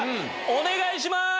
お願いします！